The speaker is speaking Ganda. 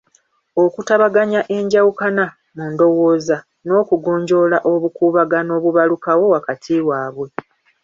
Okutabaganya enjawukana mu ndowooza n'okugonjoola obukuubagano obubalukawo wakati waabwe.